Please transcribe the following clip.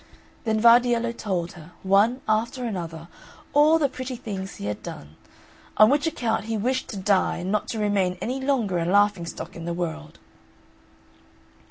Then Vardiello told her, one after another, all the pretty things he had done; on which account he wished to die and not to remain any longer a laughing stock in the world.